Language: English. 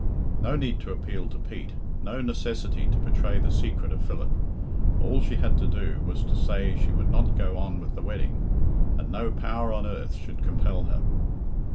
No need to appeal to Pete; no necessity to betray the secret of Philip. All she had to do was to say she would not go on with the wedding, and no power on earth should compel her.